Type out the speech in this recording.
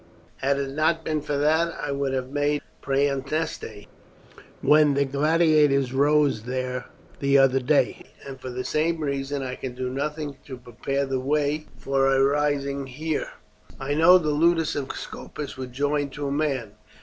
Had it not been for that I would have made for Praeneste, when the gladiators rose there the other day, and for the same reason I can do nothing to prepare the way for a rising here. I know the ludus of Scopus would join to a man.